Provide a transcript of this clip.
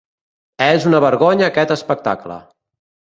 És una vergonya aquest espectacle!